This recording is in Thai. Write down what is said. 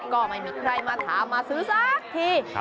ก็ไม่มีใครมาถามมาซื้อสักที